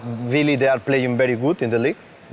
เราไม่มีพวกมันเกี่ยวกับพวกเราแต่เราไม่มีพวกมันเกี่ยวกับพวกเรา